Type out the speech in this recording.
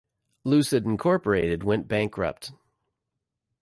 Lucid Incorporated went bankrupt.